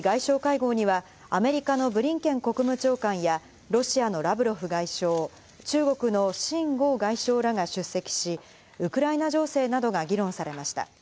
Ｇ２０外相会合にはアメリカのブリンケン国務長官やロシアのラブロフ外相、中国のシン・ゴウ外相らが出席し、ウクライナ情勢などが議論されました。